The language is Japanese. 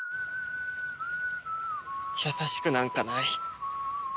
優しくなんかない。